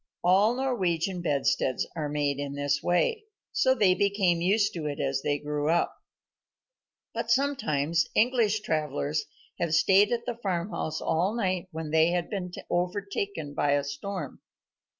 All Norwegian bedsteads are made in this way, so they became used to it as they grew up. But sometimes English travellers had stayed at the farmhouse all night when they had been overtaken by a storm.